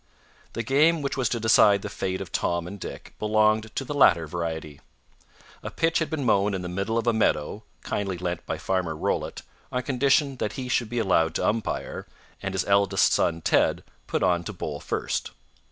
The game which was to decide the fate of Tom and Dick belonged to the latter variety. A pitch had been mown in the middle of a meadow (kindly lent by Farmer Rollitt on condition that he should be allowed to umpire, and his eldest son Ted put on to bowl first).